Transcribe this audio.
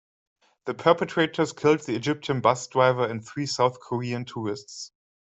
The perpetrators killed the Egyptian bus driver and three South Korean tourists.